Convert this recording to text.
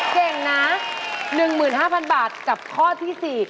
เก่งนะ๑๕๐๐๐บาทกับข้อที่๔